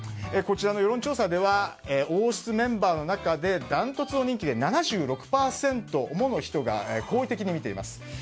こちらの世論調査では王室メンバーの中で断トツの人気で７６％もの人が好意的にみています。